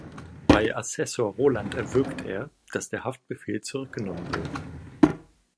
Bei Assessor Roland erwirkt er, dass der Haftbefehl zurückgenommen wird.